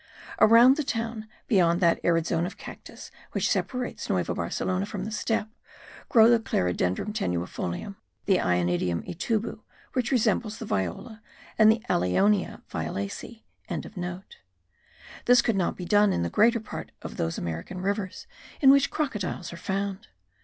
Around the town, beyond that arid zone of cactus which separates Nueva Barcelona from the steppe, grow the Clerodendrum tenuifolium, the Ionidium itubu, which resembles the Viola, and the Allionia violacea.) This could not be done in the greater part of those American rivers in which crocodiles are found.